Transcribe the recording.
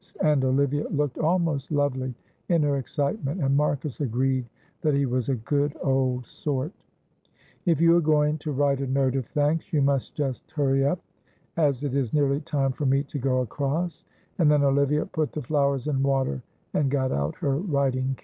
and Olivia looked almost lovely in her excitement, and Marcus agreed that he was a good old sort. "If you are going to write a note of thanks, you must just hurry up, as it is nearly time for me to go across," and then Olivia put the flowers in water, and got out her writing case.